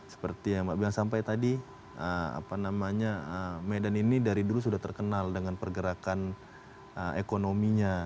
seperti yang mbak bilang sampai tadi medan ini dari dulu sudah terkenal dengan pergerakan ekonominya